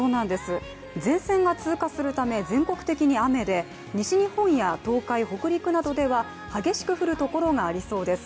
前線が通過するため、全国的に雨で西日本や東海・北陸などでは激しく降るところがありそうです。